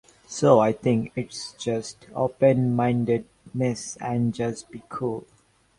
So I think it's just openmindedness and just be cool.